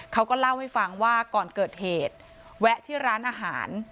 เขาก็เล่าให้ฟังว่าก่อนเกิดเหตุแวะที่ร้านอาหาร